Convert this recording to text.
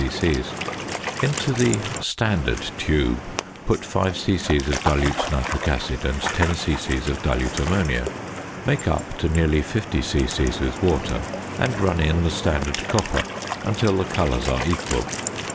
c. Into the "standard" tube put 5 c.c. of dilute nitric acid and 10 c.c. of dilute ammonia. Make up to nearly 50 c.c. with water, and run in the standard copper until the colours are equal.